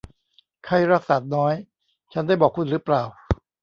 ไข้รากสาดน้อย ฉันได้บอกคุณหรือเปล่า